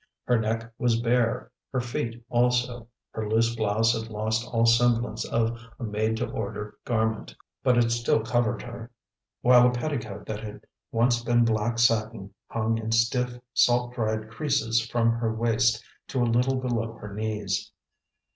Her neck was bare, her feet also; her loose blouse had lost all semblance of a made to order garment, but it still covered her; while a petticoat that had once been black satin hung in stiff, salt dried creases from her waist to a little below her knees.